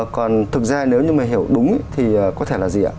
còn thực ra nếu như mà hiểu đúng thì có thể là gì ạ